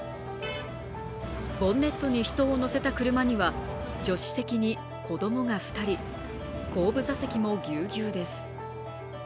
ボンネットに人を乗せた車には助手席に子供が２人、後部座席もギュウギュウです。